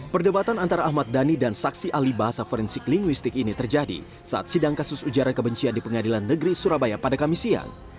perdebatan antara ahmad dhani dan saksi ahli bahasa forensik linguistik ini terjadi saat sidang kasus ujaran kebencian di pengadilan negeri surabaya pada kamis siang